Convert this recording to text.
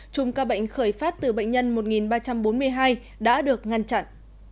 chùm ca bệnh khởi phát từ bệnh nhân một ba trăm bốn mươi hai đã được ngăn chặn